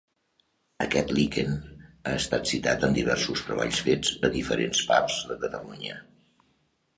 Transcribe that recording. Aquest liquen ha estat citat en diversos treballs fets a diferents parts de Catalunya.